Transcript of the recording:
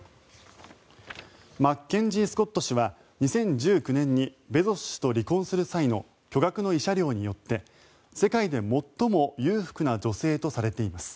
マッケンジー・スコット氏は２０１９年にベゾス氏と離婚する際の巨額の慰謝料によって世界で最も裕福な女性とされています。